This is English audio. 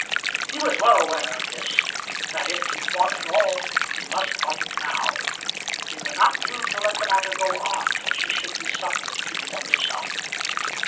He was well aware of this, that if he fought at all, he must fight now. It would not do to let the matter go on till she should be summoned to defend herself.